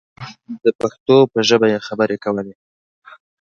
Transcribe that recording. د پښتو په ژبه یې خبرې کولې.